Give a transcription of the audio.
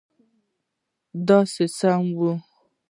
ددې سمي خان وه.